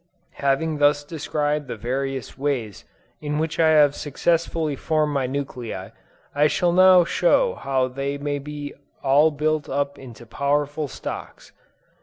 Having thus described the various ways in which I have successfully formed my nuclei, I shall now show how they may be all built up into powerful stocks.